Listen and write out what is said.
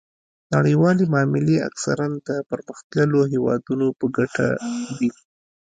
نړیوالې معاملې اکثراً د پرمختللو هیوادونو په ګټه وي